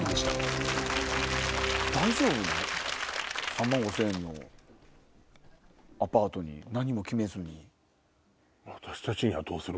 ３万５０００円のアパートに何も決めずに。